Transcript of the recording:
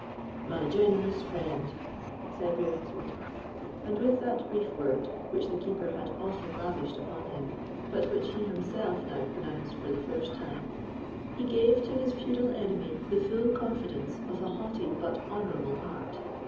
"My generous friend!" said Ravenswood; and with that brief word, which the Keeper had often lavished upon him, but which he himself now pronounced for the first time, he gave to his feudal enemy the full confidence of an haughty but honourable heart.